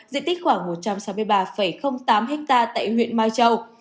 diện tích khoảng một trăm sáu mươi ba tám ha tại huyện mai châu